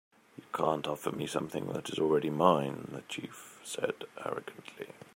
"You can't offer me something that is already mine," the chief said, arrogantly.